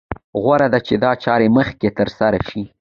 غوره ده چې دا چاره مخکې تر سره شي.